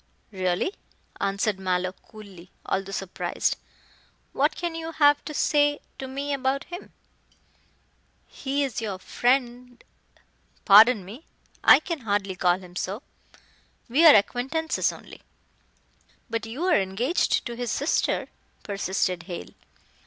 "Really," answered Mallow coolly, although surprised, "what can you have to say to me about him." "He is your friend " "Pardon me. I can hardly call him so. We are acquaintances only." "But you are engaged to his sister," persisted Hale.